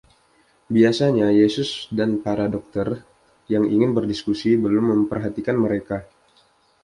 Biasanya, Yesus dan para dokter, yang ingin berdiskusi, belum memperhatikan mereka.